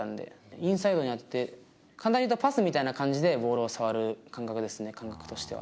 インサイドに当てて、簡単にいうとパスみたいな感じでボールを触る感覚ですね、感覚としては。